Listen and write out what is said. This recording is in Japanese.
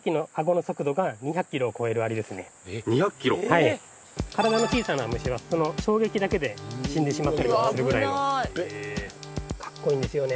はい体の小さな虫はその衝撃だけで死んでしまったりとかするぐらいのカッコいいんですよね